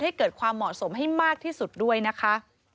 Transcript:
ให้เกิดความเหมาะสมให้มากที่สุดด้วยนะคะ